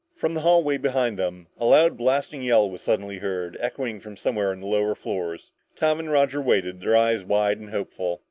From the hallway behind them, a loud blasting yell was suddenly heard, echoing from somewhere on the lower floors. Tom and Roger waited, their eyes wide and hopeful.